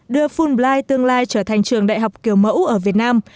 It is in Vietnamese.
đưa fulbright tương lai trở thành trường đại học kiểu mẫu ở việt nam